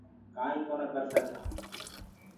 ڪآئينٚ ڪونآ ڪرسگآنٚ